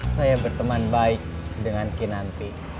saya berteman baik dengan kinanti